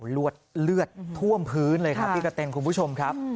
เลือดท่วมพื้นเลยครับพี่กระเต็นคุณผู้ชมครับ